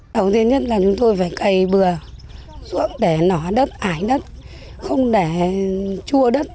đầu tiên nhất là chúng tôi phải cày bừa dưỡng để nó đất ải đất không để chua đất